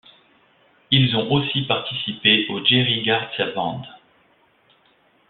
Ils ont aussi participé au Jerry García Band.